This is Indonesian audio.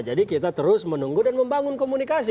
jadi kita terus menunggu dan membangun komunikasi